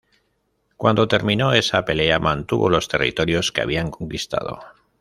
Cuando terminó esa pelea, mantuvo los territorios que había conquistado.